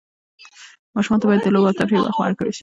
ماشومانو ته باید د لوبو او تفریح وخت ورکړل سي.